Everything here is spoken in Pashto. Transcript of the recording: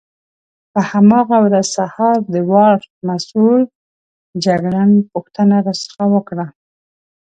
په هماغه ورځ سهار د وارډ مسؤل جګړن پوښتنه راڅخه وکړه.